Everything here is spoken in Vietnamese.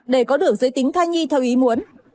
để có được giới tính thai nhi theo ý muốn